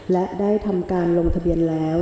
และได้ทำการลงทะเบียนแล้ว